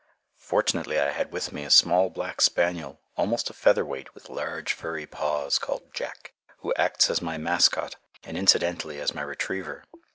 Fortunately, I had with me a small black spaniel, almost a featherweight, with large furry paws, called "Jack," who acts as my mascot and incidentally as my retriever.